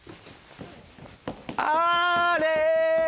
あれ！